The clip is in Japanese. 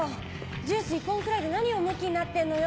ジュース１本くらいで何をむきになってんのよ。